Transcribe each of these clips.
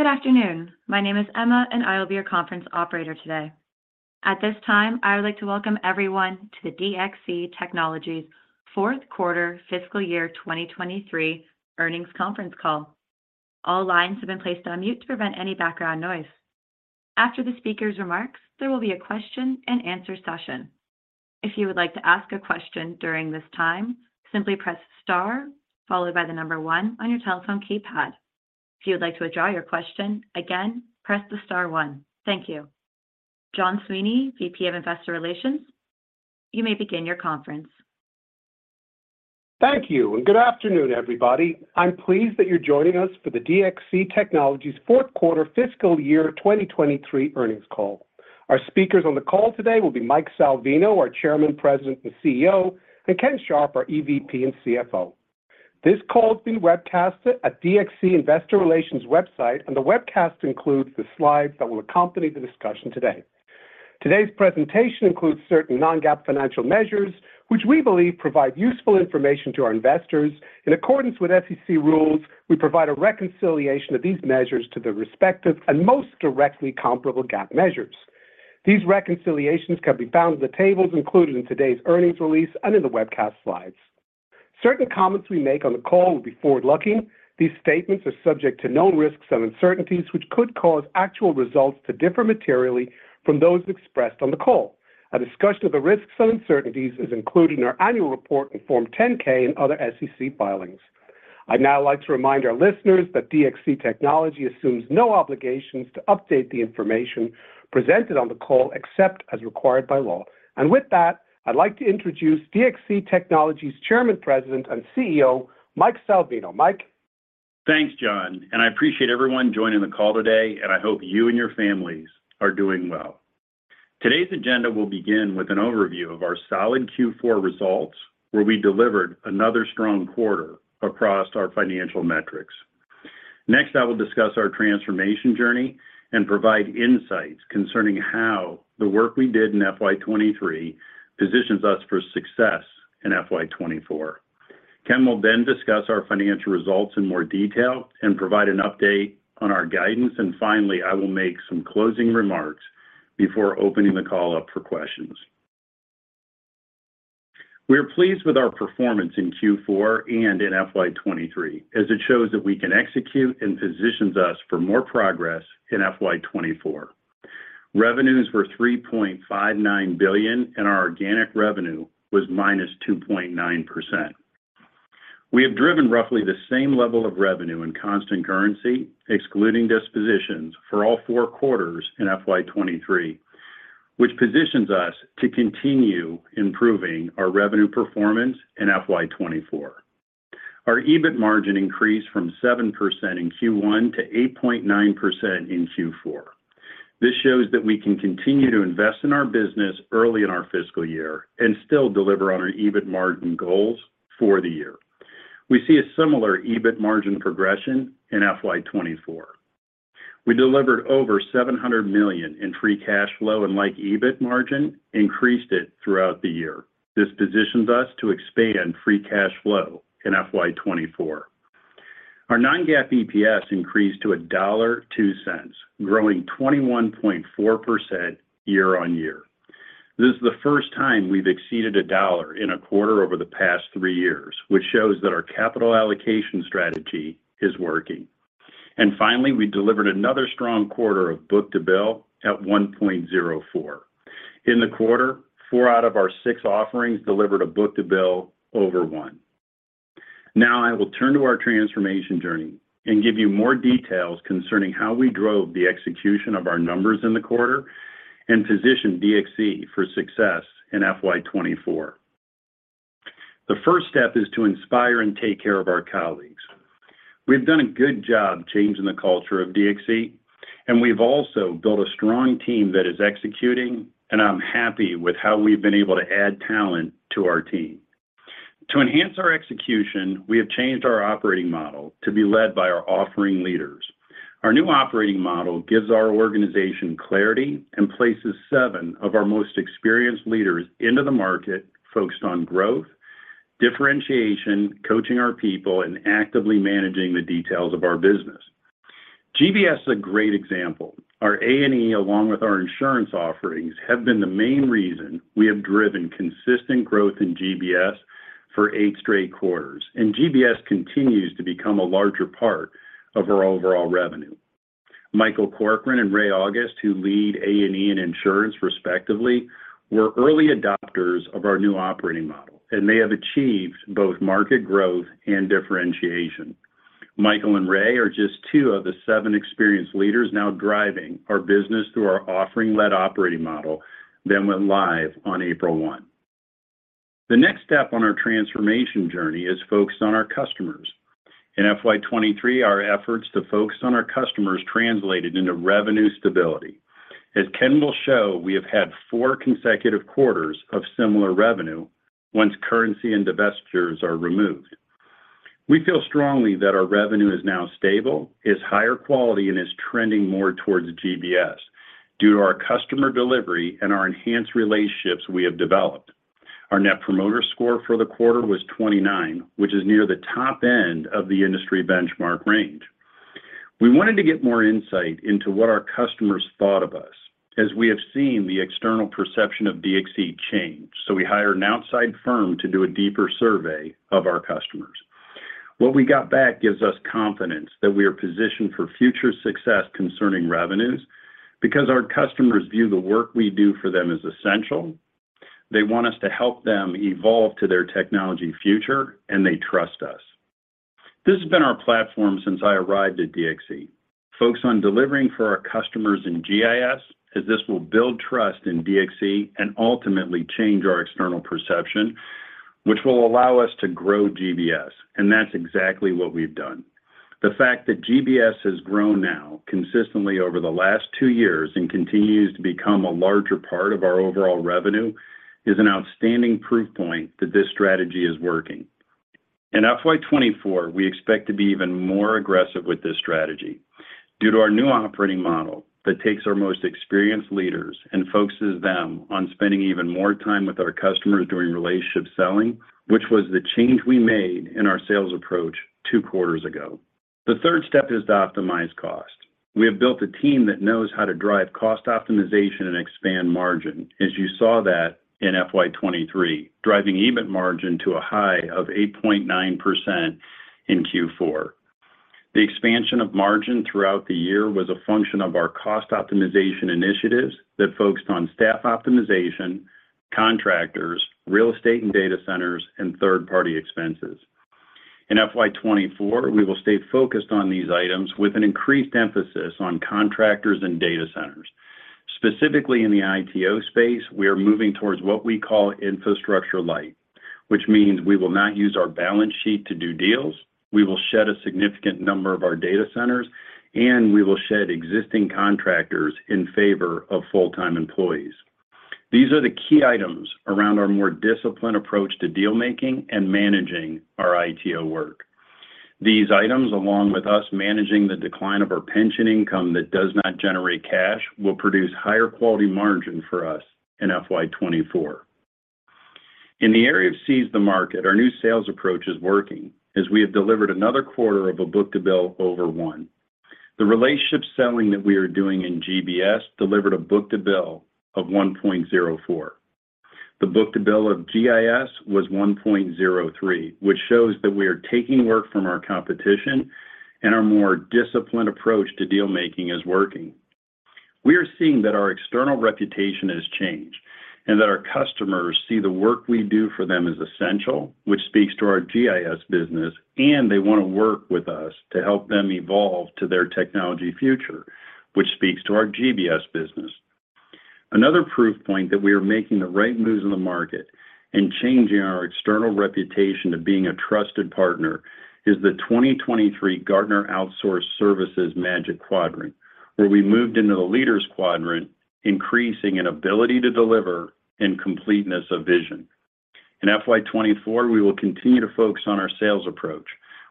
Good afternoon. My name is Emma, and I will be your conference operator today. At this time, I would like to welcome everyone to the DXC Technology's Fourth Quarter Fiscal Year 2023 Earnings Conference Call. All lines have been placed on mute to prevent any background noise. After the speaker's remarks, there will be a question-and-answer session. If you would like to ask a question during this time, simply press star followed by the number 1 on your telephone keypad. If you would like to withdraw your question, again, press the star one. Thank you. John Sweeney, VP of Investor Relations, you may begin your conference. Thank you, good afternoon, everybody. I'm pleased that you're joining us for the DXC Technology's fourth quarter fiscal year 2023 earnings call. Our speakers on the call today will be Mike Salvino, our Chairman, President, and CEO, and Ken Sharp, our EVP and CFO. This call is being webcast at DXC Investor Relations website, the webcast includes the slides that will accompany the discussion today. Today's presentation includes certain non-GAAP financial measures, which we believe provide useful information to our investors. In accordance with SEC rules, we provide a reconciliation of these measures to their respective and most directly comparable GAAP measures. These reconciliations can be found in the tables included in today's earnings release and in the webcast slides. Certain comments we make on the call will be forward-looking. These statements are subject to known risks and uncertainties, which could cause actual results to differ materially from those expressed on the call. A discussion of the risks and uncertainties is included in our annual report in Form 10-K and other SEC filings. I'd now like to remind our listeners that DXC Technology assumes no obligations to update the information presented on the call, except as required by law. With that, I'd like to introduce DXC Technology's Chairman, President, and CEO, Mike Salvino. Mike? Thanks, John. I appreciate everyone joining the call today, and I hope you and your families are doing well. Today's agenda will begin with an overview of our solid Q4 results, where we delivered another strong quarter across our financial metrics. Next, I will discuss our transformation journey and provide insights concerning how the work we did in FY 2023 positions us for success in FY 2024. Ken will then discuss our financial results in more detail and provide an update on our guidance. Finally, I will make some closing remarks before opening the call up for questions. We are pleased with our performance in Q4 and in FY 2023, as it shows that we can execute and positions us for more progress in FY 2024. Revenues were $3.59 billion, and our organic revenue was -2.9%. We have driven roughly the same level of revenue in constant currency, excluding dispositions for all four quarters in FY 2023, which positions us to continue improving our revenue performance in FY 2024. Our EBIT margin increased from 7% in Q1 to 8.9% in Q4. This shows that we can continue to invest in our business early in our fiscal year and still deliver on our EBIT margin goals for the year. We see a similar EBIT margin progression in FY 2024. We delivered over $700 million in free cash flow and, like EBIT margin, increased it throughout the year. This positions us to expand free cash flow in FY 2024. Our non-GAAP EPS increased to $1.02, growing 21.4% year-on-year. This is the first time we've exceeded $1 in a quarter over the past three years, which shows that our capital allocation strategy is working. Finally, we delivered another strong quarter of book-to-bill at 1.04. In the quarter, four out of our six offerings delivered a book-to-bill over one. I will turn to our transformation journey and give you more details concerning how we drove the execution of our numbers in the quarter and positioned DXC for success in FY 2024. The first step is to inspire and take care of our colleagues. We've done a good job changing the culture of DXC. We've also built a strong team that is executing. I'm happy with how we've been able to add talent to our team. To enhance our execution, we have changed our operating model to be led by our offering leaders. Our new operating model gives our organization clarity and places seven of our most experienced leaders into the market focused on growth, differentiation, coaching our people, and actively managing the details of our business. GBS is a great example. Our A&E along with our insurance offerings have been the main reason we have driven consistent growth in GBS for eight straight quarters, and GBS continues to become a larger part of our overall revenue. Michael Corcoran and Ray August, who lead A&E and insurance respectively, were early adopters of our new operating model, and they have achieved both market growth and differentiation. Michael and Ray are just two of the seven experienced leaders now driving our business through our offering-led operating model that went live on April 1. The next step on our transformation journey is focused on our customers. In FY 2023, our efforts to focus on our customers translated into revenue stability. As Ken will show, we have had four consecutive quarters of similar revenue once currency and divestitures are removed. We feel strongly that our revenue is now stable, is higher quality, and is trending more towards GBS due to our customer delivery and our enhanced relationships we have developed. Our Net Promoter Score for the quarter was 29, which is near the top end of the industry benchmark range. We wanted to get more insight into what our customers thought of us as we have seen the external perception of DXC change, we hired an outside firm to do a deeper survey of our customers. What we got back gives us confidence that we are positioned for future success concerning revenues, because our customers view the work we do for them as essential, they want us to help them evolve to their technology future, and they trust us. This has been our platform since I arrived at DXC. Focus on delivering for our customers in GIS, as this will build trust in DXC and ultimately change our external perception, which will allow us to grow GBS. That's exactly what we've done. The fact that GBS has grown now consistently over the last two years and continues to become a larger part of our overall revenue is an outstanding proof point that this strategy is working. In FY 2024, we expect to be even more aggressive with this strategy due to our new operating model that takes our most experienced leaders and focuses them on spending even more time with our customers during relationship selling, which was the change we made in our sales approach two quarters ago. The third step is to optimize cost. We have built a team that knows how to drive cost optimization and expand margin, as you saw that in FY 2023, driving EBIT margin to a high of 8.9% in Q4. The expansion of margin throughout the year was a function of our cost optimization initiatives that focused on staff optimization, contractors, real estate and data centers, and third-party expenses. In FY 2024, we will stay focused on these items with an increased emphasis on contractors and data centers. Specifically in the ITO space, we are moving towards what we call infrastructure-light, which means we will not use our balance sheet to do deals, we will shed a significant number of our data centers, and we will shed existing contractors in favor of full-time employees. These are the key items around our more disciplined approach to deal making and managing our ITO work. These items, along with us managing the decline of our pension income that does not generate cash, will produce higher quality margin for us in FY 24. In the area of seize the market, our new sales approach is working as we have delivered another quarter of a book-to-bill over one. The relationship selling that we are doing in GBS delivered a book-to-bill of 1.04. The book-to-bill of GIS was 1.03, which shows that we are taking work from our competition and our more disciplined approach to deal making is working. We are seeing that our external reputation has changed and that our customers see the work we do for them as essential, which speaks to our GIS business, and they want to work with us to help them evolve to their technology future, which speaks to our GBS business. Another proof point that we are making the right moves in the market and changing our external reputation to being a trusted partner is the 2023 Gartner Outsourced Services Magic Quadrant, where we moved into the Leaders quadrant, increasing an ability to deliver and completeness of vision. In FY 2024, we will continue to focus on our sales approach,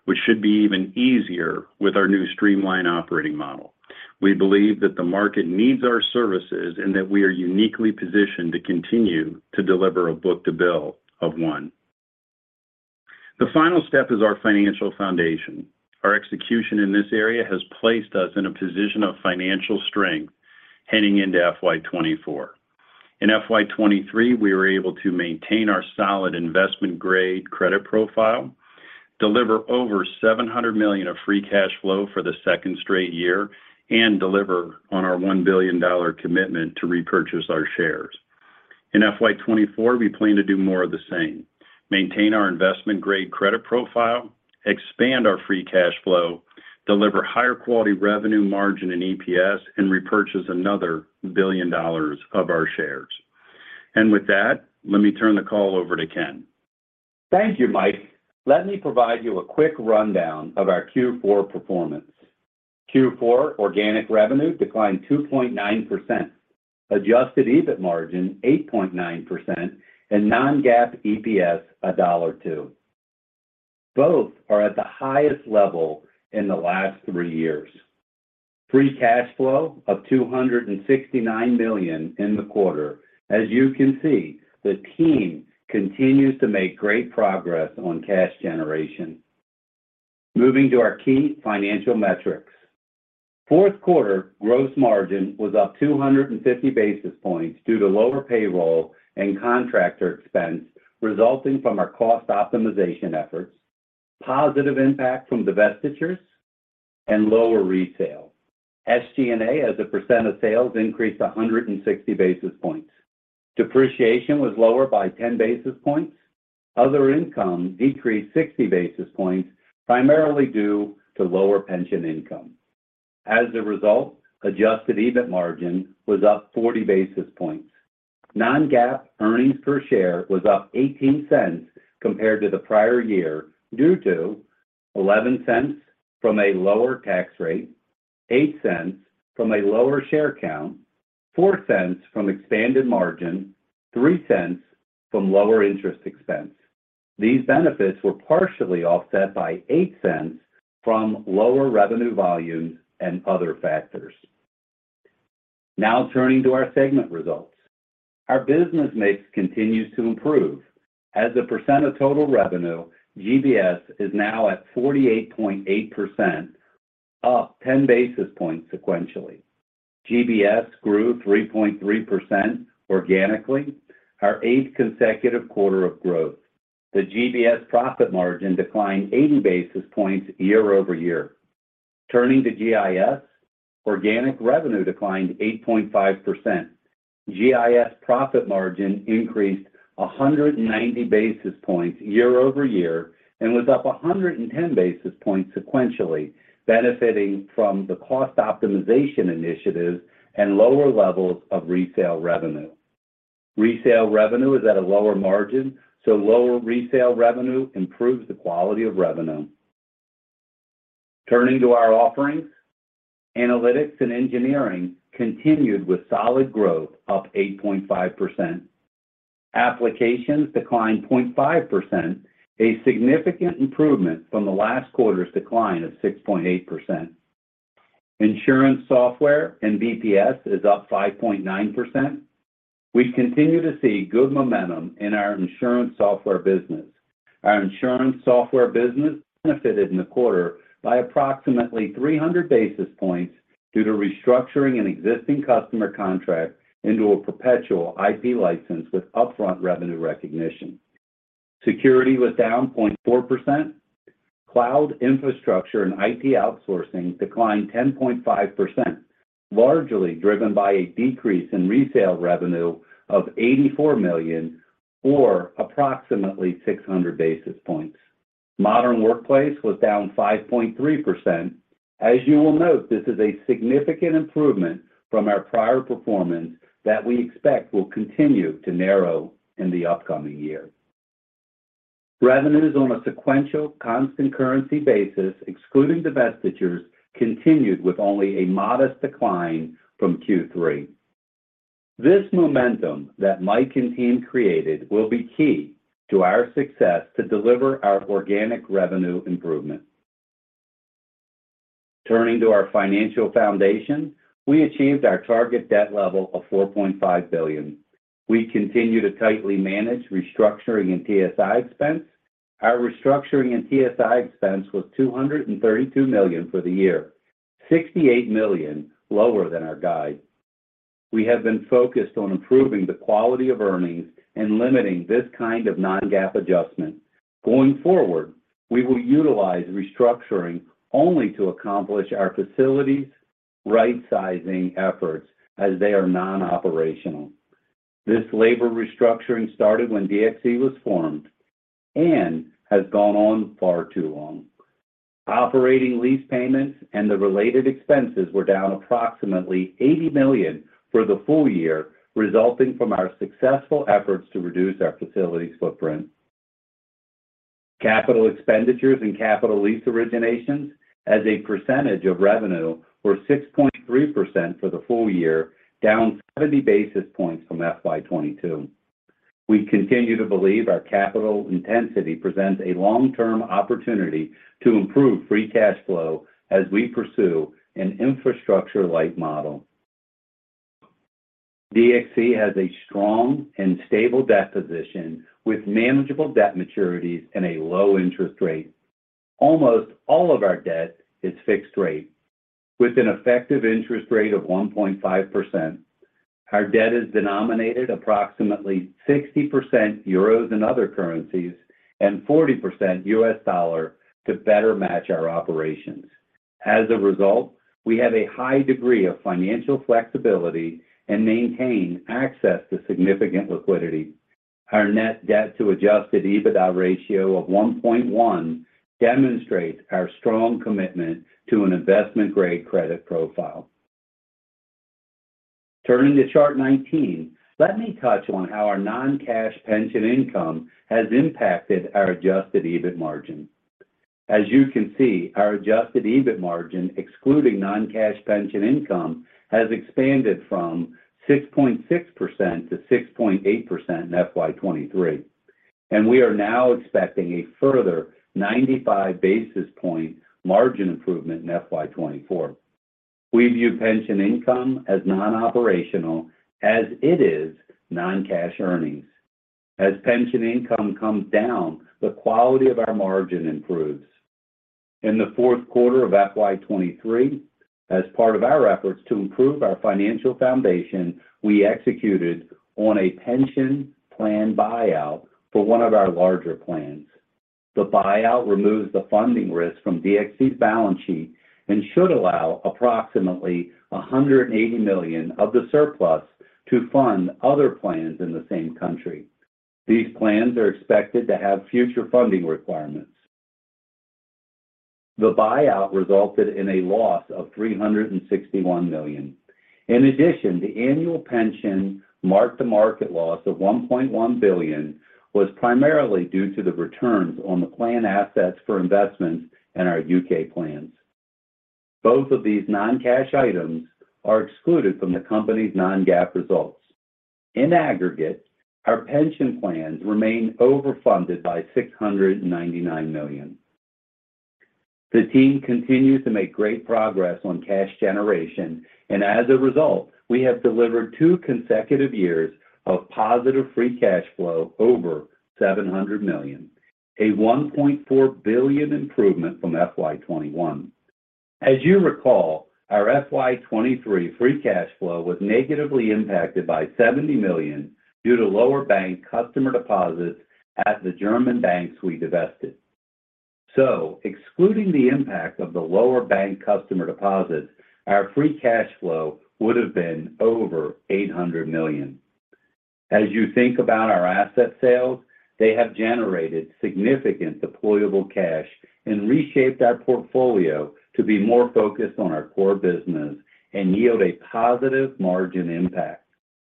which should be even easier with our new streamlined operating model. We believe that the market needs our services and that we are uniquely positioned to continue to deliver a book-to-bill of one. The final step is our financial foundation. Our execution in this area has placed us in a position of financial strength heading into FY 2024. In FY 2023, we were able to maintain our solid investment-grade credit profile, deliver over $700 million of free cash flow for the second straight year, and deliver on our $1 billion commitment to repurchase our shares. In FY 2024, we plan to do more of the same, maintain our investment-grade credit profile, expand our free cash flow, deliver higher quality revenue margin and EPS, and repurchase another $1 billion of our shares. With that, let me turn the call over to Ken. Thank you, Mike. Let me provide you a quick rundown of our Q4 performance. Q4 organic revenue declined 2.9%. Adjusted EBIT margin, 8.9%, and non-GAAP EPS $1.02. Both are at the highest level in the last three years. Free cash flow of $269 million in the quarter. As you can see, the team continues to make great progress on cash generation. Moving to our key financial metrics. Fourth quarter gross margin was up 250 basis points due to lower payroll and contractor expense resulting from our cost optimization efforts, positive impact from divestitures, and lower retail. SG&A as a % of sales increased 160 basis points. Depreciation was lower by 10 basis points. Other income decreased 60 basis points, primarily due to lower pension income. As a result, adjusted EBIT margin was up 40 basis points. Non-GAAP earnings per share was up $0.18 compared to the prior year due to $0.11 from a lower tax rate, $0.08 from a lower share count, $0.04 from expanded margin, $0.03 from lower interest expense. These benefits were partially offset by $0.08 from lower revenue volumes and other factors. Turning to our segment results. Our business mix continues to improve. As a % of total revenue, GBS is now at 48.8%, up 10 basis points sequentially. GBS grew 3.3% organically, our eighth consecutive quarter of growth. The GBS profit margin declined 80 basis points year-over-year. Turning to GIS, organic revenue declined 8.5%. GIS profit margin increased 190 basis points year-over-year and was up 110 basis points sequentially, benefiting from the cost optimization initiatives and lower levels of resale revenue. Resale revenue is at a lower margin, so lower resale revenue improves the quality of revenue. Turning to our offerings, Analytics & Engineering continued with solid growth, up 8.5%. Applications declined 0.5%, a significant improvement from the last quarter's decline of 6.8%. Insurance software and BPS is up 5.9%. We continue to see good momentum in our insurance software business. Our insurance software business benefited in the quarter by approximately 300 basis points due to restructuring an existing customer contract into a perpetual IP license with upfront revenue recognition. Security was down 0.4%. Cloud infrastructure and IT outsourcing declined 10.5%, largely driven by a decrease in resale revenue of $84 million or approximately 600 basis points. Modern Workplace was down 5.3%. As you will note, this is a significant improvement from our prior performance that we expect will continue to narrow in the upcoming year. Revenue is on a sequential constant currency basis, excluding divestitures, continued with only a modest decline from Q3. This momentum that Mike and team created will be key to our success to deliver our organic revenue improvement. Turning to our financial foundation, we achieved our target debt level of $4.5 billion. We continue to tightly manage restructuring and TSI expense. Our restructuring and TSI expense was $232 million for the year, $68 million lower than our guide. We have been focused on improving the quality of earnings and limiting this kind of non-GAAP adjustment. We will utilize restructuring only to accomplish our facilities rightsizing efforts as they are non-operational. This labor restructuring started when DXC was formed and has gone on far too long. Operating lease payments and the related expenses were down approximately $80 million for the full year, resulting from our successful efforts to reduce our facilities footprint. Capital expenditures and capital lease originations as a percentage of revenue were 6.3% for the full year, down 70 basis points from FY22. We continue to believe our capital intensity presents a long-term opportunity to improve free cash flow as we pursue an infrastructure-light model. DXC has a strong and stable debt position with manageable debt maturities and a low interest rate. Almost all of our debt is fixed rate with an effective interest rate of 1.5%. Our debt is denominated approximately 60% euros and other currencies and 40% US dollar to better match our operations. As a result, we have a high degree of financial flexibility and maintain access to significant liquidity. Our net debt to adjusted EBITDA ratio of 1.1 demonstrates our strong commitment to an investment-grade credit profile. Turning to chart 19, let me touch on how our non-cash pension income has impacted our adjusted EBIT margin. As you can see, our adjusted EBIT margin, excluding non-cash pension income, has expanded from 6.6% to 6.8% in FY 2023, and we are now expecting a further 95 basis point margin improvement in FY 2024. We view pension income as non-operational as it is non-cash earnings. As pension income comes down, the quality of our margin improves. In the fourth quarter of FY 2023, as part of our efforts to improve our financial foundation, we executed on a pension plan buyout for one of our larger plans. The buyout removes the funding risk from DXC's balance sheet and should allow approximately $180 million of the surplus to fund other plans in the same country. These plans are expected to have future funding requirements. The buyout resulted in a loss of $361 million. In addition, the annual pension mark-to-market loss of $1.1 billion was primarily due to the returns on the plan assets for investments in our U.K. plans. Both of these non-cash items are excluded from the company's non-GAAP results. In aggregate, our pension plans remain overfunded by $699 million. The team continues to make great progress on cash generation, and as a result, we have delivered two consecutive years of positive free cash flow over $700 million, a $1.4 billion improvement from FY 2021. As you recall, our FY 2023 free cash flow was negatively impacted by $70 million due to lower bank customer deposits at the German banks we divested. Excluding the impact of the lower bank customer deposits, our free cash flow would have been over $800 million. As you think about our asset sales, they have generated significant deployable cash and reshaped our portfolio to be more focused on our core business and yield a positive margin impact.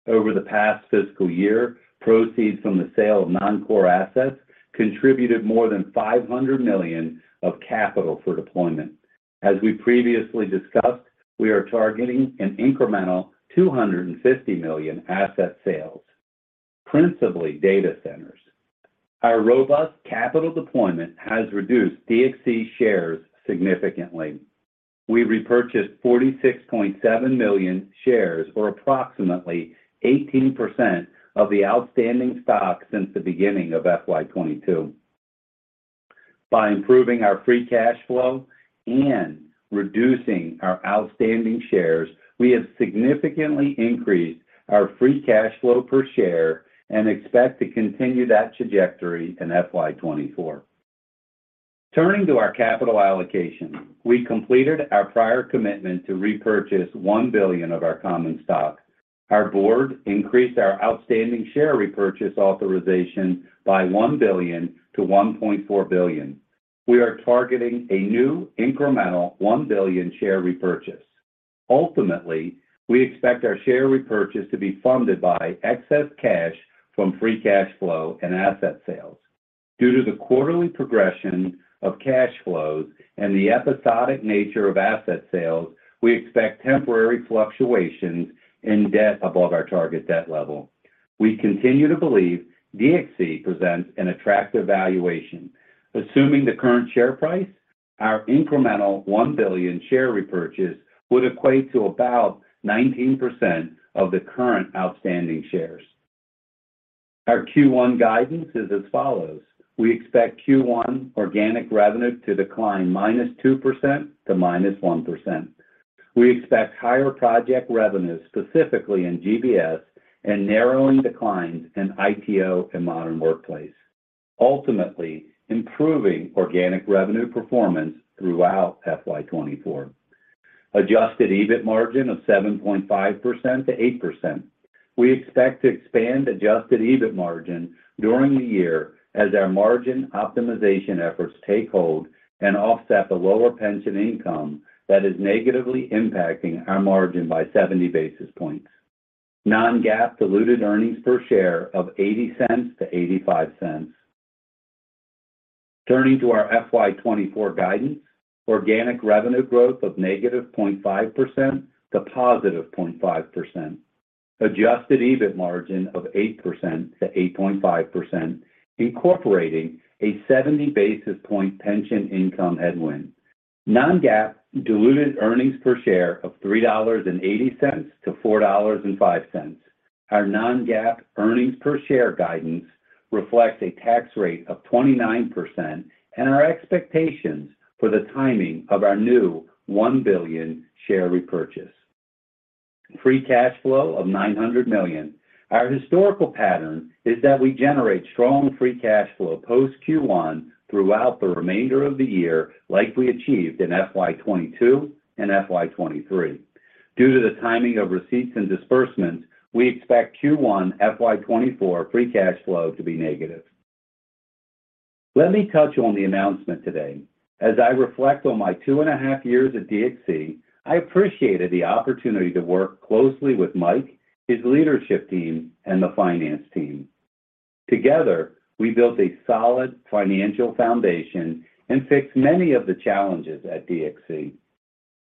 Over the past fiscal year, proceeds from the sale of non-core assets contributed more than $500 million of capital for deployment. As we previously discussed, we are targeting an incremental $250 million asset sales, principally data centers. Our robust capital deployment has reduced DXC shares significantly. We repurchased 46.7 million shares, or approximately 18% of the outstanding stock since the beginning of FY 2022. By improving our free cash flow and reducing our outstanding shares, we have significantly increased our free cash flow per share and expect to continue that trajectory in FY 2024. Turning to our capital allocation, we completed our prior commitment to repurchase $1 billion of our common stock. Our board increased our outstanding share repurchase authorization by $1 billion to $1.4 billion. We are targeting a new incremental $1 billion share repurchase. Ultimately, we expect our share repurchase to be funded by excess cash from free cash flow and asset sales. Due to the quarterly progression of cash flows and the episodic nature of asset sales, we expect temporary fluctuations in debt above our target debt level. We continue to believe DXC presents an attractive valuation. Assuming the current share price, our incremental $1 billion share repurchase would equate to about 19% of the current outstanding shares. Our Q1 guidance is as follows: We expect Q1 organic revenue to decline -2% to -1%. We expect higher project revenues, specifically in GBS and narrowing declines in ITO and Modern Workplace, ultimately improving organic revenue performance throughout FY24. Adjusted EBIT margin of 7.5% to 8%. We expect to expand adjusted EBIT margin during the year as our margin optimization efforts take hold and offset the lower pension income that is negatively impacting our margin by 70 basis points. Non-GAAP diluted earnings per share of $0.80-$0.85. Turning to our FY 2024 guidance. Organic revenue growth of -0.5% to +0.5%. Adjusted EBIT margin of 8%-8.5%, incorporating a 70 basis point pension income headwind. Non-GAAP diluted earnings per share of $3.80-$4.05. Our non-GAAP earnings per share guidance reflects a tax rate of 29% and our expectations for the timing of our new $1 billion share repurchase. Free cash flow of $900 million. Our historical pattern is that we generate strong free cash flow post Q1 throughout the remainder of the year, like we achieved in FY 2022 and FY 2023. Due to the timing of receipts and disbursements, we expect Q1 FY 2024 free cash flow to be negative. Let me touch on the announcement today. As I reflect on my two and a half years at DXC, I appreciated the opportunity to work closely with Mike, his leadership team, and the finance team. Together, we built a solid financial foundation and fixed many of the challenges at DXC.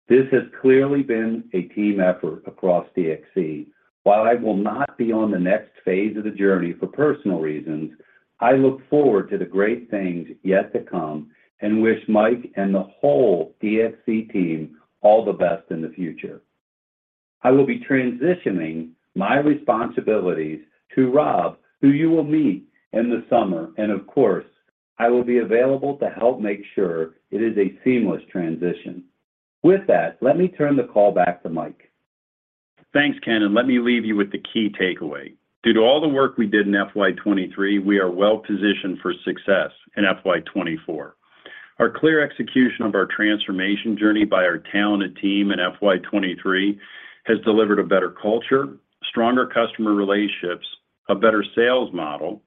This has clearly been a team effort across DXC. While I will not be on the next phase of the journey for personal reasons, I look forward to the great things yet to come and wish Mike and the whole DXC team all the best in the future. I will be transitioning my responsibilities to Rob, who you will meet in the summer, and of course, I will be available to help make sure it is a seamless transition. With that, let me turn the call back to Mike. Thanks, Ken. Let me leave you with the key takeaway. Due to all the work we did in FY 2023, we are well positioned for success in FY 2024. Our clear execution of our transformation journey by our talented team in FY 2023 has delivered a better culture, stronger customer relationships, a better sales model,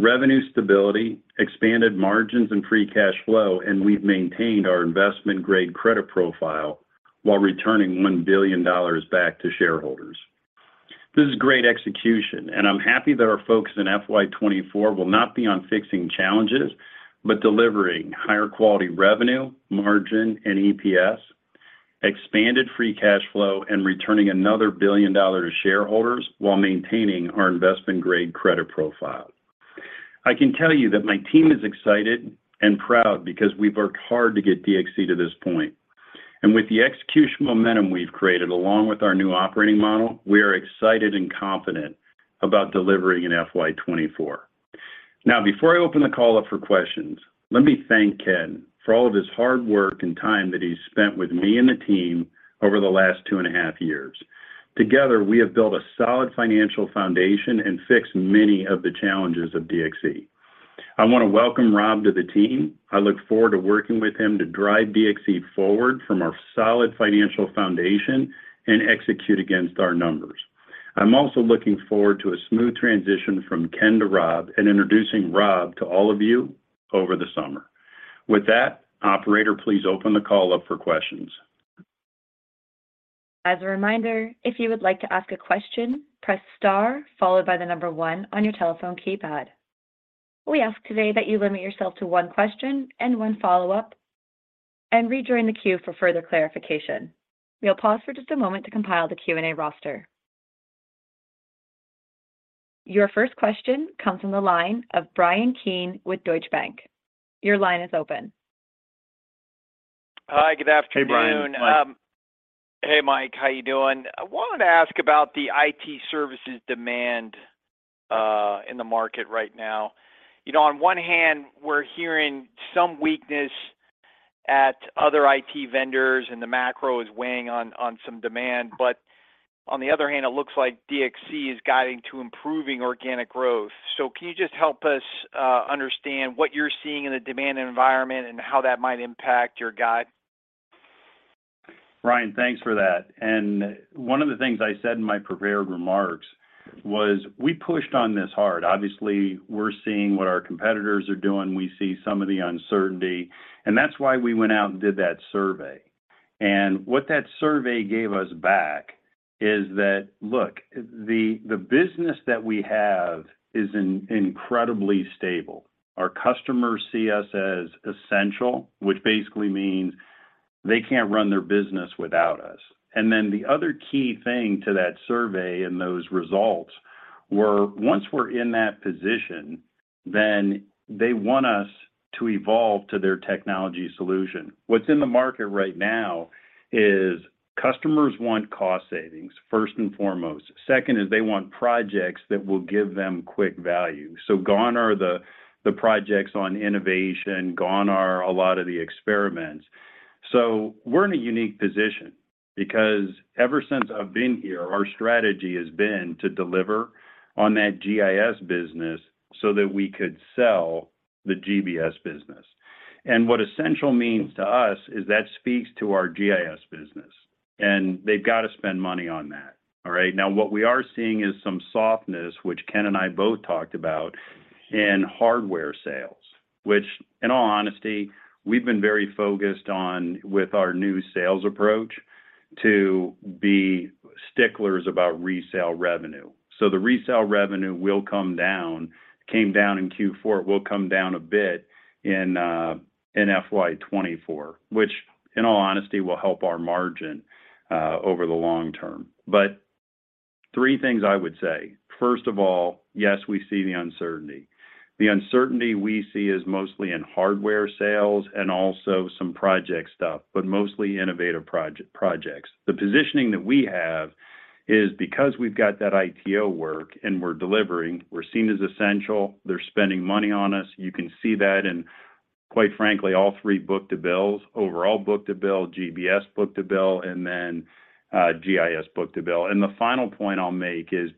revenue stability, expanded margins and free cash flow. We've maintained our investment-grade credit profile while returning $1 billion back to shareholders. This is great execution. I'm happy that our focus in FY 2024 will not be on fixing challenges, but delivering higher quality revenue, margin, and EPS. Expanded free cash flow and returning another $1 billion to shareholders while maintaining our investment-grade credit profile. I can tell you that my team is excited and proud because we've worked hard to get DXC to this point. With the execution momentum we have created, along with our new operating model, we are excited and confident about delivering in FY 2024. Now, before I open the call up for questions, let me thank Ken for all of his hard work and time that he's spent with me and the team over the last two and a half years. Together, we have built a solid financial foundation and fixed many of the challenges of DXC. I wanna welcome Rob to the team. I look forward to working with him to drive DXC forward from our solid financial foundation and execute against our numbers. I'm also looking forward to a smooth transition from Ken to Rob, and introducing Rob to all of you over the summer. With that, operator, please open the call up for questions. As a reminder, if you would like to ask a question, press star followed by the number onone on your telephone keypad. We ask today that you limit yourself to one question and one follow-up. Rejoin the queue for further clarification. We'll pause for just a moment to compile the Q&A roster. Your first question comes from the line of Bryan Keane with Deutsche Bank. Your line is open. Hi, good afternoon. Hey, Bryan. Mike. Hey, Mike. How you doing? I wanted to ask about the IT services demand in the market right now. You know, on one hand, we're hearing some weakness at other IT vendors and the macro is weighing on some demand, but on the other hand, it looks like DXC is guiding to improving organic growth. Can you just help us understand what you're seeing in the demand environment and how that might impact your guide? Bryan, thanks for that. One of the things I said in my prepared remarks was we pushed on this hard. Obviously, we're seeing what our competitors are doing, we see some of the uncertainty, and that's why we went out and did that survey. What that survey gave us back is that, look, the business that we have is incredibly stable. Our customers see us as essential, which basically means they can't run their business without us. The other key thing to that survey and those results were once we're in that position, they want us to evolve to their technology solution. What's in the market right now is customers want cost savings, first and foremost. Second is they want projects that will give them quick value. Gone are the projects on innovation, gone are a lot of the experiments. We're in a unique position because ever since I've been here, our strategy has been to deliver on that GIS business so that we could sell the GBS business. What essential means to us is that speaks to our GIS business, and they've got to spend money on that. All right? What we are seeing is some softness, which Ken and I both talked about, in hardware sales, which in all honesty, we've been very focused on with our new sales approach to be sticklers about resale revenue. The resale revenue will come down, came down in Q4, will come down a bit in FY 2024, which, in all honesty, will help our margin over the long term. Three things I would say. First of all, yes, we see the uncertainty. The uncertainty we see is mostly in hardware sales and also some project stuff, but mostly innovative projects. The positioning that we have is because we've got that ITO work and we're delivering, we're seen as essential, they're spending money on us, you can see that in, quite frankly, all three book-to-bills, overall book-to-bill, GBS book-to-bill, and then GIS book-to-bill. The final point I'll make is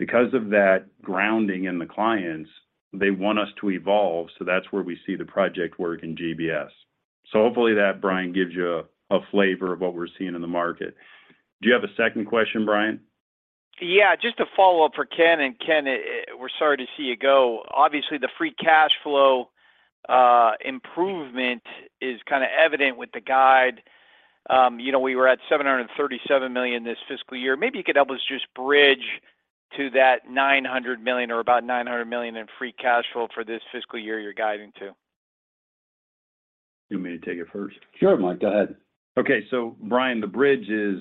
because of that grounding in the clients, they want us to evolve, so that's where we see the project work in GBS. Hopefully that, Bryan, gives you a flavor of what we're seeing in the market. Do you have a second question, Bryan? Yeah. Just a follow-up for Ken. Ken, we're sorry to see you go. Obviously, the free cash flow, improvement is kinda evident with the guide. You know, we were at $737 million this fiscal year. Maybe you could help us just bridge to that $900 million or about $900 million in free cash flow for this fiscal year you're guiding to. You want me to take it first? Sure, Mike. Go ahead. Okay. Bryan, the bridge is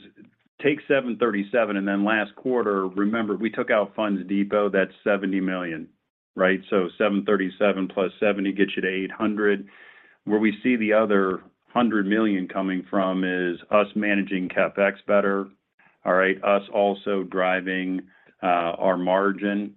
take $737, and then last quarter, remember, we took out Fondsdepot Bank, that's $70 million, right? $737 plus $70 gets you to $800. Where we see the other $100 million coming from is us managing CapEx better. All right? Us also driving our margin.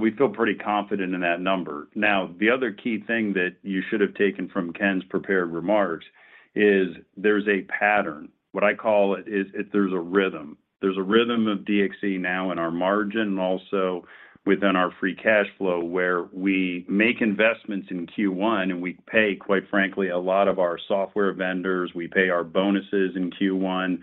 We feel pretty confident in that number. The other key thing that you should have taken from Ken's prepared remarks is there's a pattern. What I call it is there's a rhythm. There's a rhythm of DXC now in our margin, also within our free cash flow, where we make investments in Q1, and we pay, quite frankly, a lot of our software vendors, we pay our bonuses in Q1,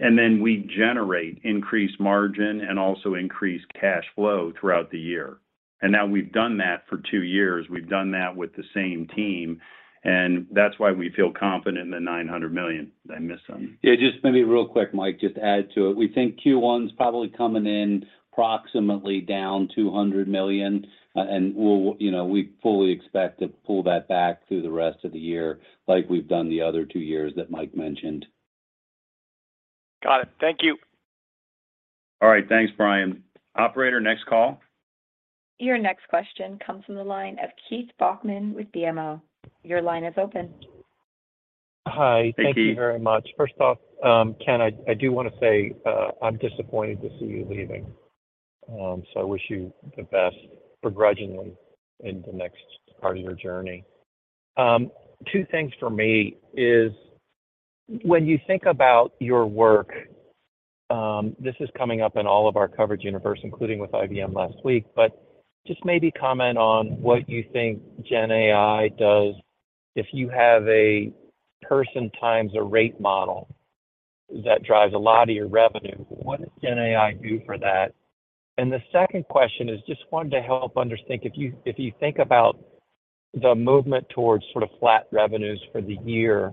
and then we generate increased margin and also increased cash flow throughout the year. Now we've done that for two years. We've done that with the same team, and that's why we feel confident in the $900 million. Did I miss something? Yeah, just maybe real quick, Mike, just add to it. We think Q1's probably coming in approximately down $200 million, and we'll, you know, we fully expect to pull that back through the rest of the year like we've done the other two years that Mike mentioned. Got it. Thank you. All right. Thanks, Bryan. Operator, next call. Your next question comes from the line of Keith Bachman with BMO. Your line is open. Hi. Hey, Keith. Thank you very much. First off, Ken, I do wanna say, I'm disappointed to see you leaving. I wish you the best, begrudgingly, in the next part of your journey. Two things for me is when you think about your work, this is coming up in all of our coverage universe, including with IBM last week, but just maybe comment on what you think GenAI does if you have a person times a rate model that drives a lot of your revenue. What does GenAI do for that? The second question is just wanted to help understand, if you think about the movement towards sort of flat revenues for the year,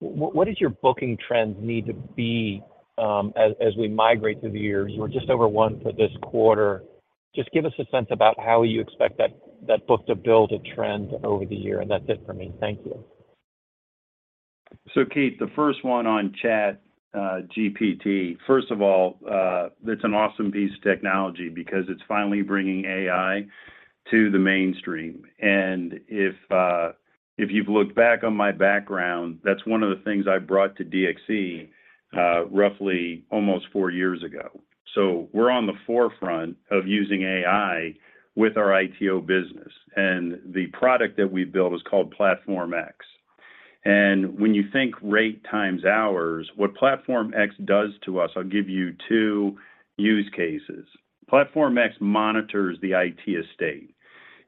what does your booking trends need to be, as we migrate through the years? You were just over over for this quarter. Just give us a sense about how you expect that book-to-bill to trend over the year. That's it for me. Thank you. Keith, the first one on ChatGPT. First of all, it's an awesome piece of technology because it's finally bringing AI to the mainstream. If you've looked back on my background, that's one of the things I brought to DXC, roughly almost four years ago. We're on the forefront of using AI with our ITO business, and the product that we built is called Platform X. When you think rate times hours, what Platform X does to us, I'll give you two use cases. Platform X monitors the IT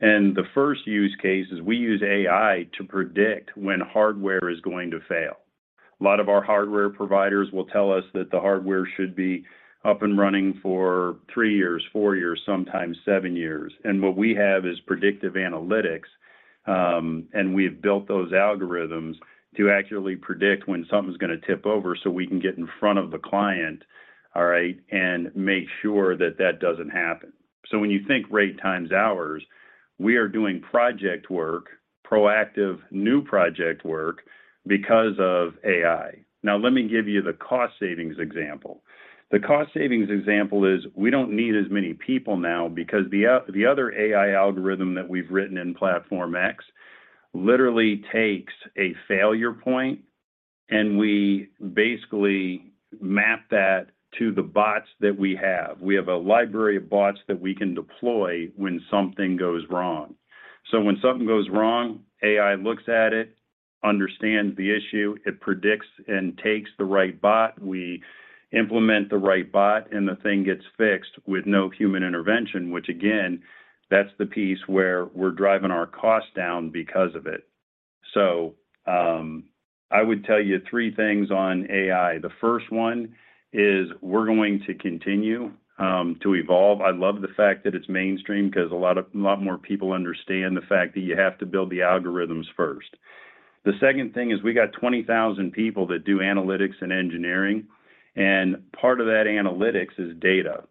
estate. The first use case is we use AI to predict when hardware is going to fail. A lot of our hardware providers will tell us that the hardware should be up and running for three years, four years, sometimes seven years. What we have is predictive analytics, and we have built those algorithms to accurately predict when something's gonna tip over, so we can get in front of the client, all right, and make sure that that doesn't happen. When you think rate times hours, we are doing project work, proactive new project work because of AI. Let me give you the cost savings example. The cost savings example is we don't need as many people now because the other AI algorithm that we've written in Platform X literally takes a failure point, and we basically map that to the bots that we have. We have a library of bots that we can deploy when something goes wrong. When something goes wrong, AI looks at it, understands the issue, it predicts and takes the right bot. We implement the right bot, and the thing gets fixed with no human intervention, which again, that's the piece where we're driving our costs down because of it. I would tell you three things on AI. The first one is we're going to continue to evolve. I love the fact that it's mainstream 'cause a lot more people understand the fact that you have to build the algorithms first. The second thing is we got 20,000 people that do analytics and engineering, and part of that analytics is data.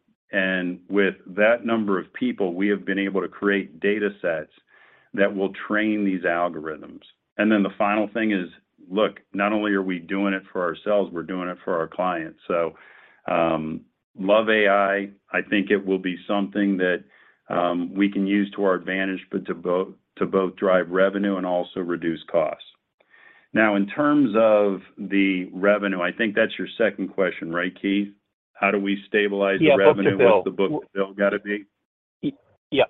With that number of people, we have been able to create data sets that will train these algorithms. The final thing is, look, not only are we doing it for ourselves, we're doing it for our clients. Love AI. I think it will be something that, we can use to our advantage, but to both drive revenue and also reduce costs. In terms of the revenue, I think that's your second question, right, Keith? How do we stabilize the revenue... Yeah, book-to-bill. With the book-to-bill gotta be? Yeah.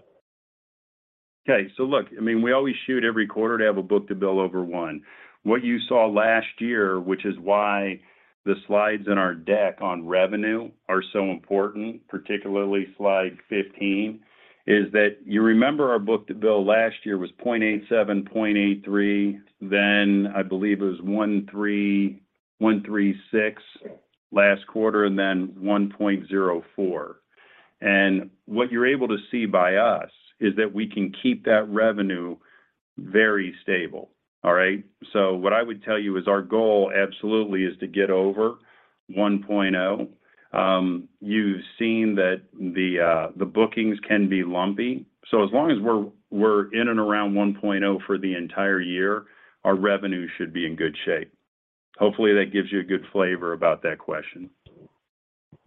Okay. Look, I mean, we always shoot every quarter to have a book-to-bill over one. What you saw last year, which is why the slides in our deck on revenue are so important, particularly slide 15, is that you remember our book-to-bill last year was 0.87, 0.83. Then I believe it was 1.36 last quarter and then 1.04. What you're able to see by us is that we can keep that revenue very stable. All right? What I would tell you is our goal absolutely is to get over 1.0. You've seen that the bookings can be lumpy. As long as we're in and around 1.0 for the entire year, our revenue should be in good shape. Hopefully, that gives you a good flavor about that question.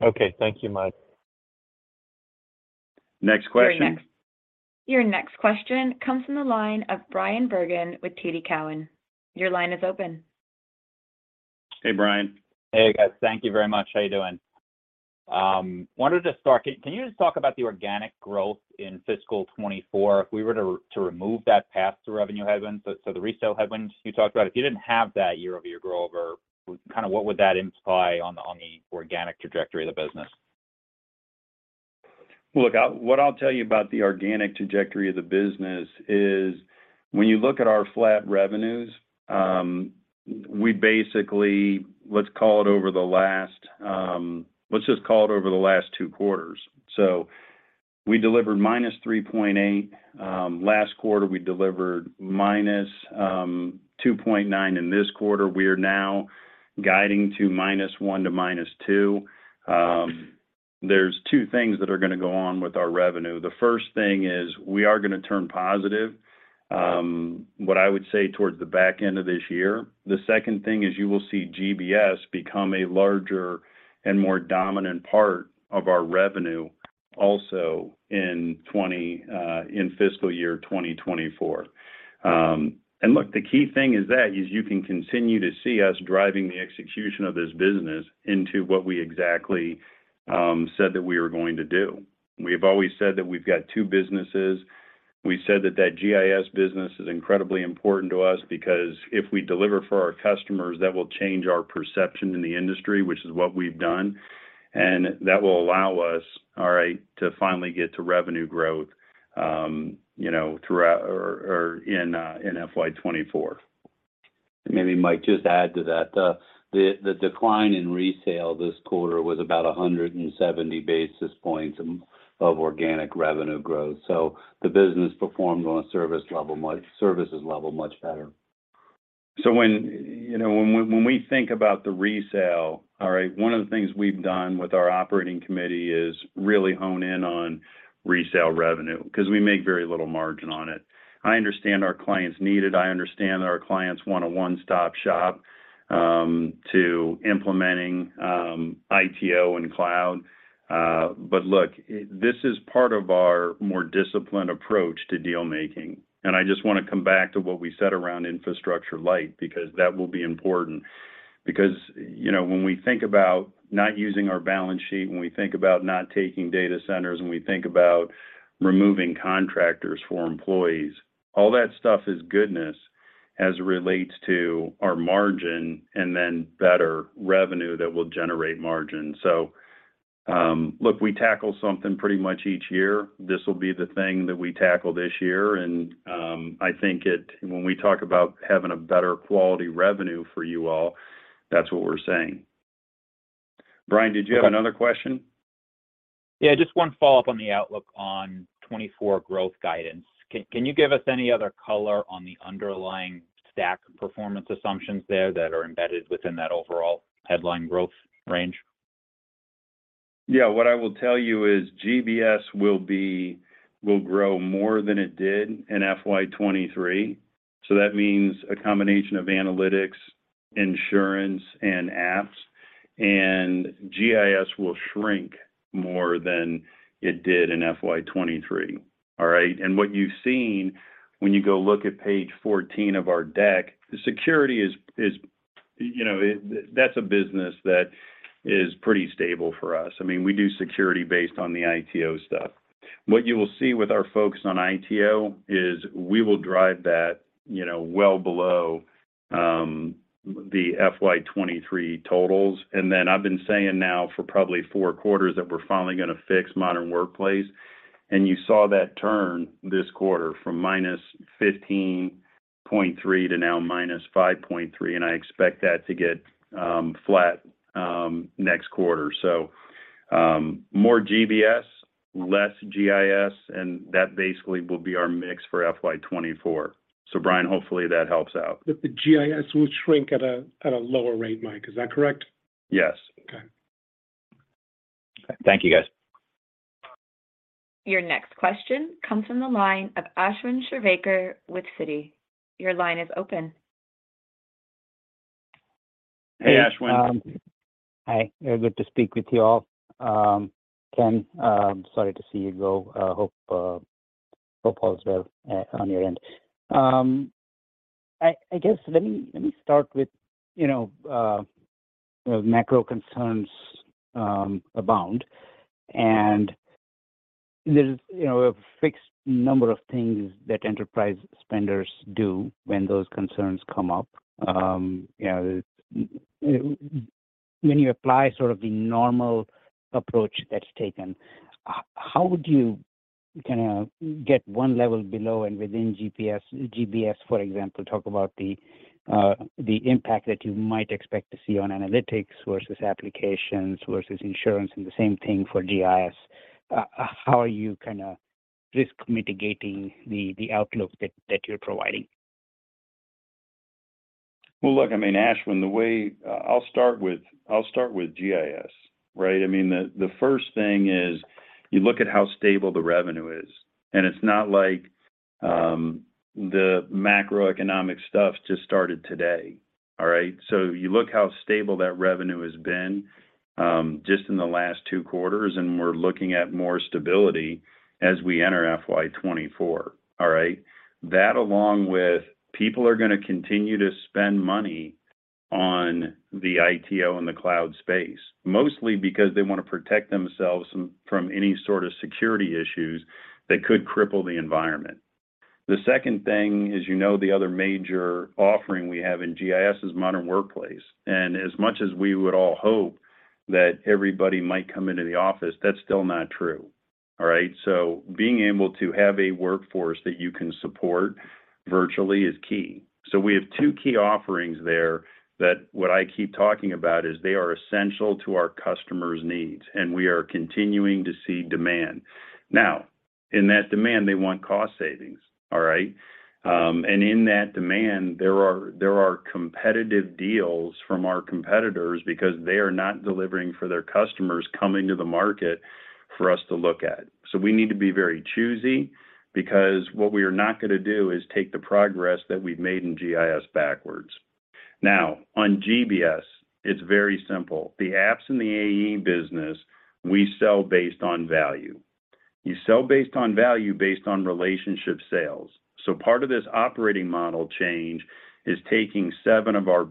Okay. Thank you, Mike. Next question. Your next question comes from the line of Bryan Bergin with TD Cowen. Your line is open. Hey, Bryan. Hey, guys. Thank you very much. How you doing? Wanted to start, can you just talk about the organic growth in fiscal 2024 if we were to remove that pass-through revenue headwind? So the resale headwind you talked about, if you didn't have that year-over-year growth or kind of what would that imply on the, on the organic trajectory of the business? Look, what I'll tell you about the organic trajectory of the business is when you look at our flat revenues, we basically, let's call it over the last, let's just call it over the last two quarters. We delivered -3.8%. Last quarter, we delivered -2.9%. In this quarter, we are now guiding to -1% to -2%. There's two things that are gonna go on with our revenue. The first thing is we are gonna turn positive, what I would say towards the back end of this year. The second thing is you will see GBS become a larger and more dominant part of our revenue also in fiscal year 2024. Look, the key thing is that is you can continue to see us driving the execution of this business into what we exactly said that we were going to do. We've always said that we've got two businesses. We said that GIS business is incredibly important to us because if we deliver for our customers, that will change our perception in the industry, which is what we've done, and that will allow us, all right, to finally get to revenue growth, you know, throughout or in FY 2024. Maybe, Mike, just add to that. The decline in resale this quarter was about 170 basis points of organic revenue growth. So the business performed on a services level much better. When, you know, when we think about the resale, all right, one of the things we've done with our operating committee is really hone in on resale revenue because we make very little margin on it. I understand our clients need it. I understand that our clients want a one-stop shop to implementing ITO and cloud. Look, this is part of our more disciplined approach to deal making. I just wanna come back to what we said around infrastructure-light, because that will be important. You know, when we think about not using our balance sheet, when we think about not taking data centers, when we think about removing contractors for employees, all that stuff is goodness as it relates to our margin and then better revenue that will generate margin. Look, we tackle something pretty much each year. This will be the thing that we tackle this year, and I think when we talk about having a better quality revenue for you all, that's what we're saying. Bryan, did you have another question? Yeah, just one follow-up on the outlook on 2024 growth guidance. Can you give us any other color on the underlying stack performance assumptions there that are embedded within that overall headline growth range? What I will tell you is GBS will grow more than it did in FY23. That means a combination of Analytics, Insurance, and Apps, and GIS will shrink more than it did in FY23, all right? What you've seen when you go look at page 14 of our deck, Security is, you know, That's a business that is pretty stable for us. I mean, we do Security based on the ITO stuff. What you will see with our folks on ITO is we will drive that, you know, well below the FY23 totals. Then I've been saying now for probably four quarters that we're finally gonna fix Modern Workplace, and you saw that turn this quarter from -15.3% to now -5.3%, and I expect that to get flat next quarter. So more GBS, less GIS, and that basically will be our mix for FY 2024. Bryan, hopefully that helps out. The GIS will shrink at a lower rate, Mike. Is that correct? Yes. Okay. Thank you, guys. Your next question comes from the line of Ashwin Shirvaikar with Citi. Your line is open. Hey, Ashwin. Hi. Good to speak with you all. Ken, sorry to see you go. Hope all is well on your end. I guess let me start with, you know, macro concerns abound, and there's, you know, a fixed number of things that enterprise spenders do when those concerns come up. You know, when you apply sort of the normal approach that's taken, how would you kinda get one level below and within GBS, for example, talk about the impact that you might expect to see on analytics versus applications versus insurance, and the same thing for GIS. How are you kinda risk mitigating the outlook that you're providing? Well, look, I mean, Ashwin, I'll start with GIS, right? I mean, the first thing is you look at how stable the revenue is. It's not like the macroeconomic stuff just started today, all right? You look how stable that revenue has been, just in the last two quarters, and we're looking at more stability as we enter FY 2024, all right? That along with people are gonna continue to spend money on the ITO and the cloud space, mostly because they want to protect themselves from any sort of security issues that could cripple the environment. The second thing is, you know, the other major offering we have in GIS is Modern Workplace. As much as we would all hope that everybody might come into the office, that's still not true. All right? Being able to have a workforce that you can support virtually is key. We have two key offerings there that what I keep talking about is they are essential to our customers' needs, and we are continuing to see demand. In that demand, they want cost savings. All right? In that demand, there are competitive deals from our competitors because they are not delivering for their customers coming to the market for us to look at. We need to be very choosy because what we are not gonna do is take the progress that we've made in GIS backwards. On GBS, it's very simple. The apps in the AE business we sell based on value. You sell based on value, based on relationship sales. Part of this operating model change is taking seven of our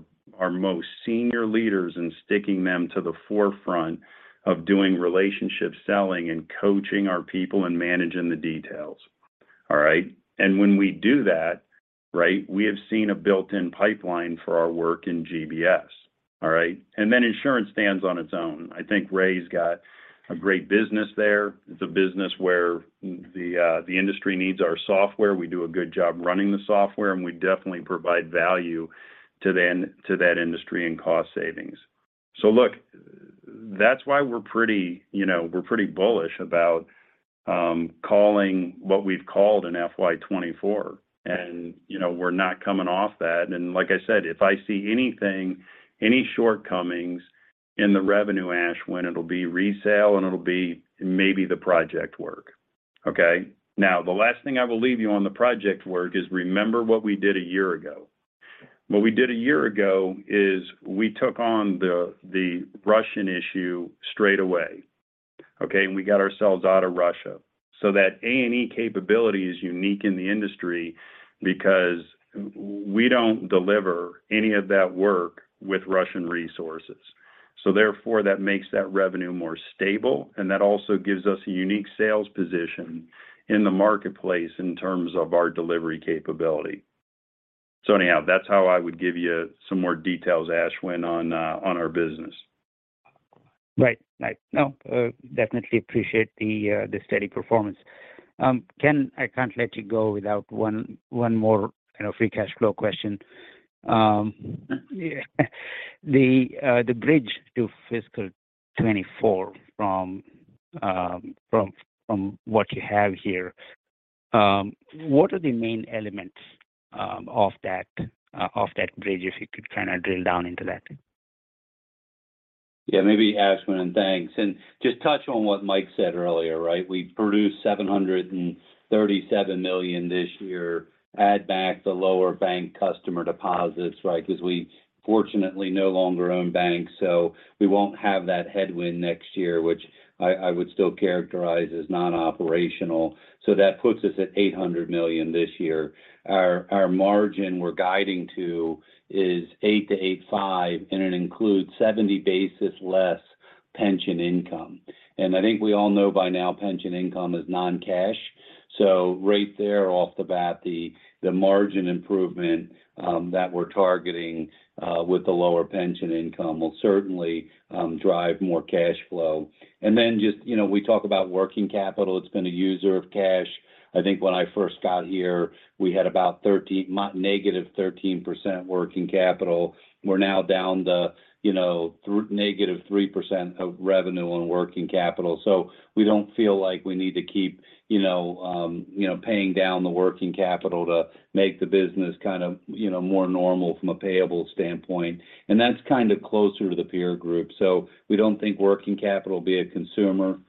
most senior leaders and sticking them to the forefront of doing relationship selling and coaching our people and managing the details. All right? When we do that, right, we have seen a built-in pipeline for our work in GBS. All right? Then insurance stands on its own. I think Ray's got a great business there. It's a business where the industry needs our software. We do a good job running the software, and we definitely provide value to that industry in cost savings. Look, that's why we're pretty, you know, we're pretty bullish about calling what we've called in FY 2024. You know, we're not coming off that. Like I said, if I see anything, any shortcomings in the revenue, Ashwin, it'll be resale, and it'll be maybe the project work. Okay? The last thing I will leave you on the project work is remember what we did a year ago. What we did a year ago is we took on the Russian issue straight away, okay? We got ourselves out of Russia. That A&E capability is unique in the industry because we don't deliver any of that work with Russian resources. Therefore, that makes that revenue more stable, and that also gives us a unique sales position in the marketplace in terms of our delivery capability. Anyhow, that's how I would give you some more details, Ashwin, on our business. Right. Right. No, definitely appreciate the steady performance. Ken, I can't let you go without one more, you know, free cash flow question. Yeah, the bridge to fiscal 2024 from what you have here, what are the main elements of that, of that bridge, if you could kinda drill down into that? Yeah, maybe Ashwin. Thanks. Just touch on what Mike said earlier, right? We produced $737 million this year. Add back the lower bank customer deposits, right? Because we fortunately no longer own banks, so we won't have that headwind next year, which I would still characterize as non-operational. That puts us at $800 million this year. Our margin we're guiding to is 8%-8.5%, and it includes 70 basis less pension income. I think we all know by now pension income is non-cash. Right there off the bat, the margin improvement that we're targeting with the lower pension income will certainly drive more cash flow. Then just, you know, we talk about working capital. It's been a user of cash. I think when I first got here, we had about negative 13% working capital. We're now down to, you know, negative 3% of revenue on working capital. We don't feel like we need to keep, you know, you know, paying down the working capital to make the business kind of, you know, more normal from a payable standpoint, and that's kinda closer to the peer group. We don't think working capital will be a consumer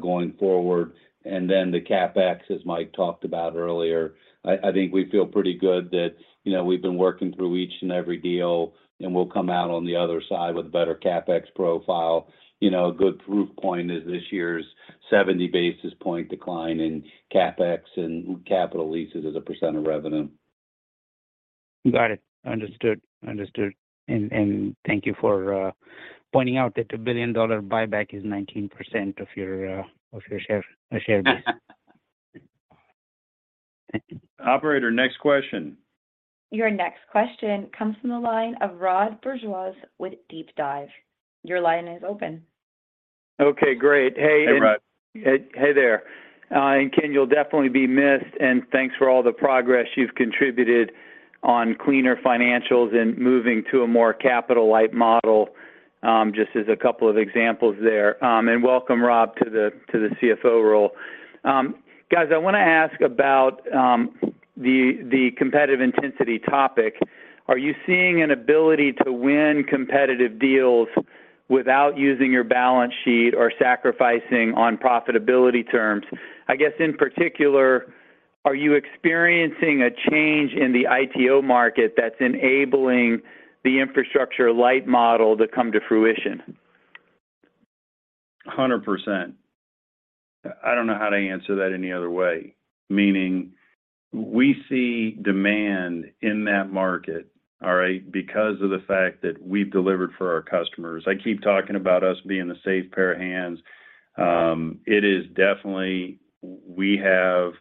going forward. The CapEx, as Mike talked about earlier, I think we feel pretty good that, you know, we've been working through each and every deal, and we'll come out on the other side with a better CapEx profile. You know, a good proof point is this year's 70 basis point decline in CapEx and capital leases as a percent of revenue. Got it. Understood. Understood. Thank you for pointing out that the billion-dollar buyback is 19% of your share base. Operator, next question. Your next question comes from the line of Rod Bourgeois with DeepDive. Your line is open. Okay, great. Hey, Rod. Hey, hey there. Ken, you'll definitely be missed, and thanks for all the progress you've contributed on cleaner financials and moving to a more capital-light model, just as a couple of examples there. Welcome, Rob, to the CFO role. Guys, I wanna ask about the competitive intensity topic. Are you seeing an ability to win competitive deals without using your balance sheet or sacrificing on profitability terms? I guess in particular, are you experiencing a change in the ITO market that's enabling the infrastructure-light model to come to fruition? 100%. I don't know how to answer that any other way. Meaning, we see demand in that market, all right, because of the fact that we've delivered for our customers. I keep talking about us being the safe pair of hands. It is definitely. We have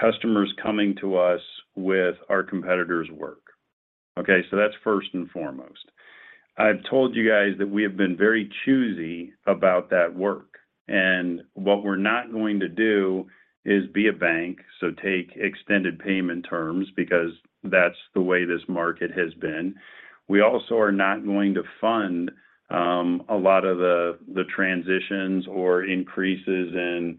customers coming to us with our competitors' work. Okay? That's first and foremost. I've told you guys that we have been very choosy about that work, and what we're not going to do is be a bank, so take extended payment terms because that's the way this market has been. We also are not going to fund a lot of the transitions or increases in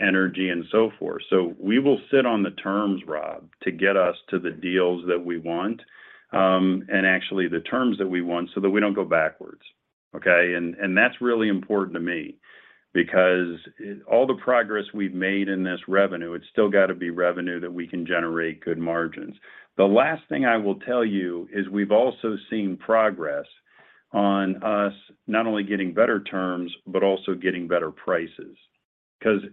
energy and so forth. We will sit on the terms, Rob, to get us to the deals that we want, and actually the terms that we want so that we don't go backwards. Okay? And that's really important to me because all the progress we've made in this revenue, it's still got to be revenue that we can generate good margins. The last thing I will tell you is we've also seen progress on us not only getting better terms, but also getting better prices.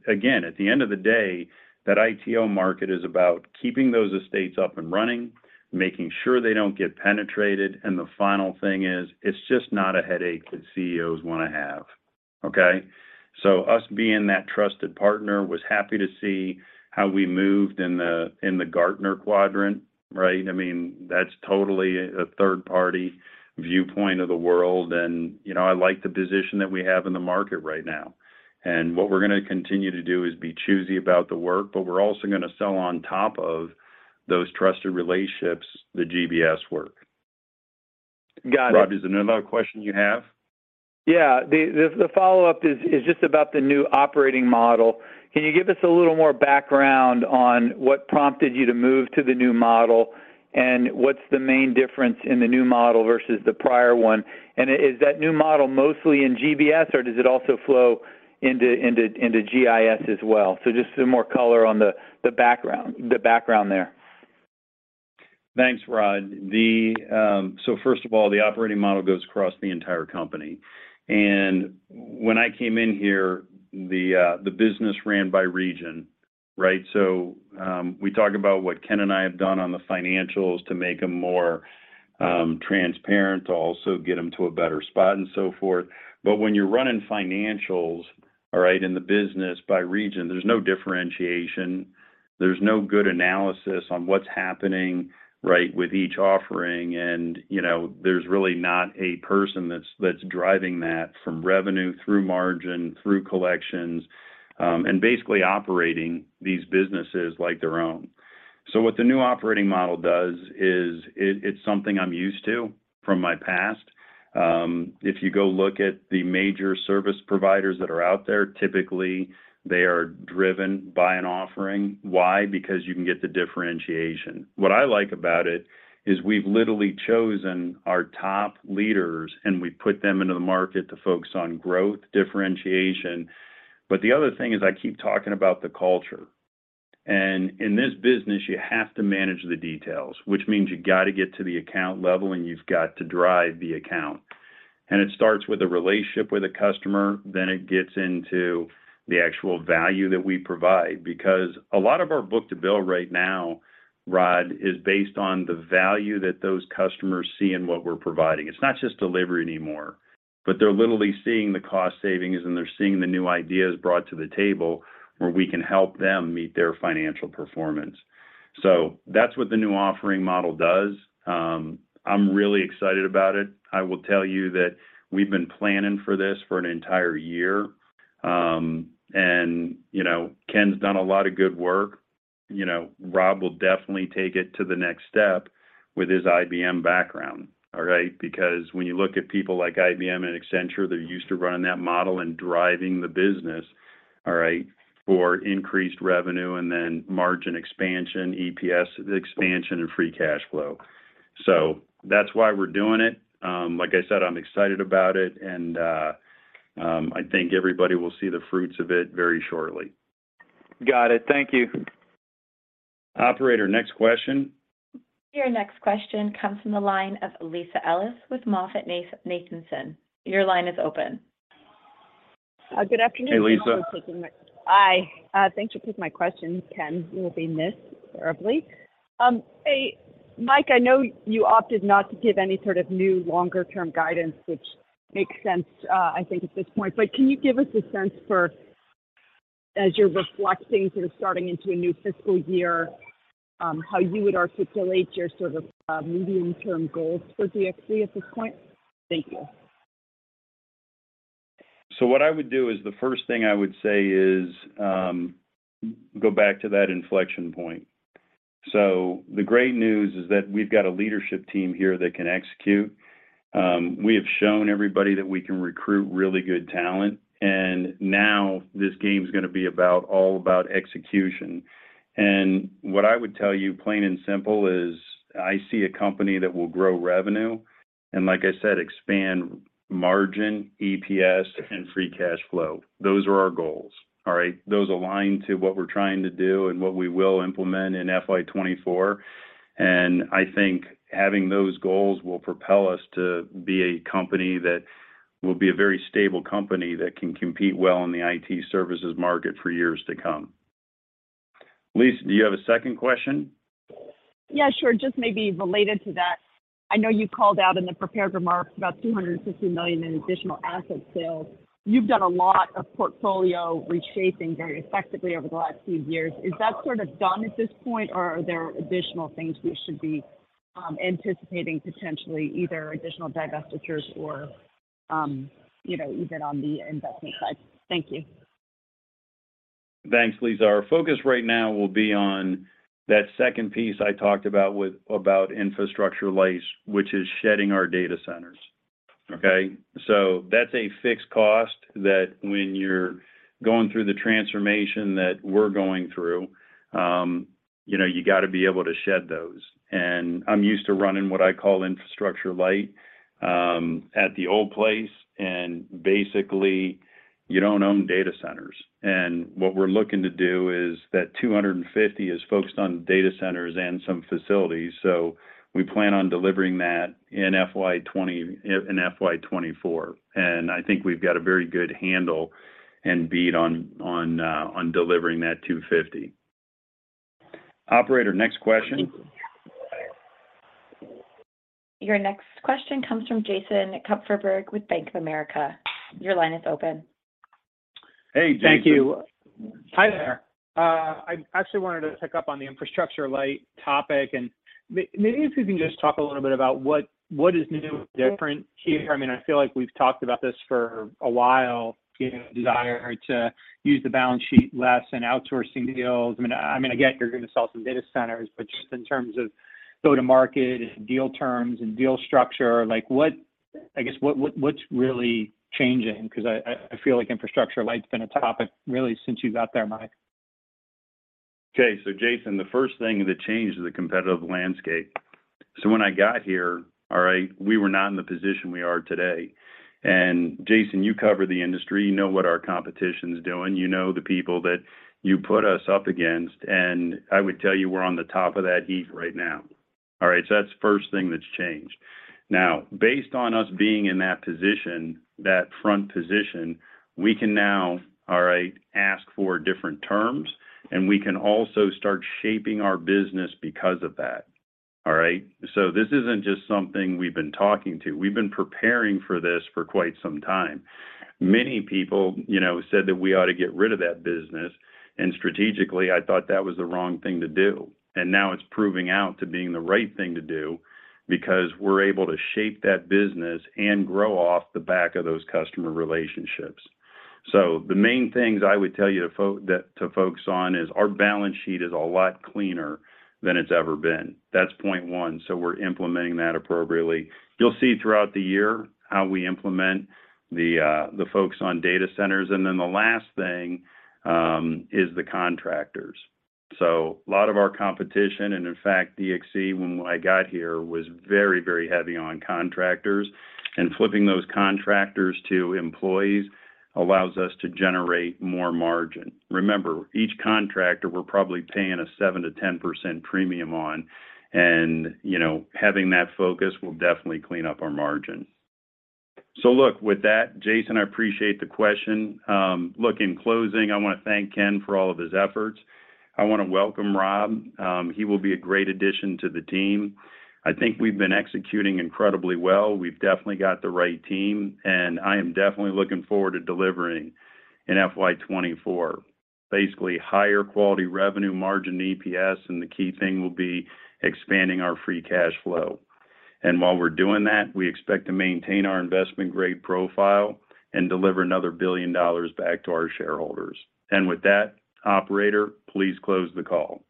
Again, at the end of the day, that ITO market is about keeping those estates up and running, making sure they don't get penetrated, and the final thing is it's just not a headache that CEOs want to have, okay? Us being that trusted partner was happy to see how we moved in the Gartner quadrant, right? I mean, that's totally a third-party viewpoint of the world. you know, I like the position that we have in the market right now. what we're gonna continue to do is be choosy about the work, but we're also gonna sell on top of those trusted relationships, the GBS work. Got it. Rob, is there another question you have? Yeah. The follow-up is just about the new operating model. Can you give us a little more background on what prompted you to move to the new model, and what's the main difference in the new model versus the prior one? Is that new model mostly in GBS, or does it also flow into GIS as well? Just some more color on the background there. Thanks, Rod. First of all, the operating model goes across the entire company. When I came in here, the business ran by region, right? We talk about what Ken and I have done on the financials to make them more transparent, to also get them to a better spot and so forth. When you're running financials, all right, in the business by region, there's no differentiation, there's no good analysis on what's happening, right, with each offering, and, you know, there's really not a person that's driving that from revenue through margin, through collections and basically operating these businesses like their own. What the new operating model does is it's something I'm used to from my past. If you go look at the major service providers that are out there, typically they are driven by an offering. Why? You can get the differentiation. What I like about it is we've literally chosen our top leaders, and we put them into the market to focus on growth differentiation. The other thing is, I keep talking about the culture. In this business, you have to manage the details, which means you got to get to the account level, and you've got to drive the account. It starts with a relationship with a customer, then it gets into the actual value that we provide. A lot of our book-to-bill right now, Rod, is based on the value that those customers see in what we're providing. It's not just delivery anymore, but they're literally seeing the cost savings, and they're seeing the new ideas brought to the table where we can help them meet their financial performance. That's what the new offering model does. I'm really excited about it. I will tell you that we've been planning for this for an entire year. And, you know, Ken's done a lot of good work. You know, Rob will definitely take it to the next step with his IBM background. All right? Because when you look at people like IBM and Accenture, they're used to running that model and driving the business, all right, for increased revenue and then margin expansion, EPS expansion, and free cash flow. That's why we're doing it. Like I said, I'm excited about it, and I think everybody will see the fruits of it very shortly. Got it. Thank you. Operator, next question. Your next question comes from the line of Lisa Ellis with MoffettNathanson. Your line is open. Good afternoon. Hey, Lisa. Hi, thanks for taking my question. Ken, you will be missed terribly. Hey, Mike, I know you opted not to give any sort of new longer-term guidance, which makes sense, I think at this point. Can you give us a sense for, as you're reflecting, sort of starting into a new fiscal year, how you would articulate your sort of, medium-term goals for DXC at this point? Thank you. What I would do is, the first thing I would say is, go back to that inflection point. The great news is that we've got a leadership team here that can execute. We have shown everybody that we can recruit really good talent, and now this game's gonna be all about execution. What I would tell you, plain and simple, is I see a company that will grow revenue and, like I said, expand margin, EPS, and free cash flow. Those are our goals, all right? Those align to what we're trying to do and what we will implement in FY24, and I think having those goals will propel us to be a company that will be a very stable company that can compete well in the IT services market for years to come. Lisa, do you have a second question? Yeah, sure. Just maybe related to that. I know you called out in the prepared remarks about $250 million in additional asset sales. You've done a lot of portfolio reshaping very effectively over the last few years. Is that sort of done at this point, or are there additional things we should be anticipating potentially, either additional divestitures or, you know, even on the investment side? Thank you. Thanks, Lisa. Our focus right now will be on that second piece I talked about about infrastructure-light, which is shedding our data centers. Okay? That's a fixed cost that when you're going through the transformation that we're going through, you know, you gotta be able to shed those. I'm used to running what I call infrastructure-light, at the old place, and basically, you don't own data centers. What we're looking to do is that $250 is focused on data centers and some facilities. We plan on delivering that in FY 2024. I think we've got a very good handle and beat on delivering that $250. Operator, next question. Your next question comes from Jason Kupferberg with Bank of America. Your line is open. Hey, Jason. Thank you. Hi there. I actually wanted to pick up on the infrastructure-light topic, and maybe if you can just talk a little bit about what is new and different here. I mean, I feel like we've talked about this for a while, you know, desire to use the balance sheet less and outsourcing deals. I mean, again, you're gonna sell some data centers, but just in terms of go-to-market and deal terms and deal structure, like, I guess what's really changing? 'Cause I feel like infrastructure-light's been a topic really since you got there, Mike. Okay. Jason, the first thing that changed is the competitive landscape. When I got here, all right, we were not in the position we are today. Jason, you cover the industry, you know what our competition's doing, you know the people that you put us up against, and I would tell you we're on the top of that heap right now. All right? That's first thing that's changed. Now, based on us being in that position, that front position, we can now, all right, ask for different terms, and we can also start shaping our business because of that. All right? This isn't just something we've been talking to. We've been preparing for this for quite some time. Many people, you know, said that we ought to get rid of that business, and strategically, I thought that was the wrong thing to do. Now it's proving out to being the right thing to do because we're able to shape that business and grow off the back of those customer relationships. The main things I would tell you to focus on is our balance sheet is a lot cleaner than it's ever been. That's point one. We're implementing that appropriately. You'll see throughout the year how we implement the focus on data centers. The last thing is the contractors. A lot of our competition, and in fact DXC when I got here, was very, very heavy on contractors. Flipping those contractors to employees allows us to generate more margin. Remember, each contractor, we're probably paying a 7%-10% premium on, and, you know, having that focus will definitely clean up our margin. Look, with that, Jason, I appreciate the question. Look, in closing, I wanna thank Ken for all of his efforts. I wanna welcome Rob. He will be a great addition to the team. I think we've been executing incredibly well. We've definitely got the right team, and I am definitely looking forward to delivering in FY 2024. Basically, higher quality revenue margin EPS, and the key thing will be expanding our free cash flow. While we're doing that, we expect to maintain our investment-grade profile and deliver another $1 billion back to our shareholders. With that, operator, please close the call.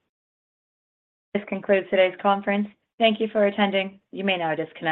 This concludes today's conference. Thank you for attending. You may now disconnect.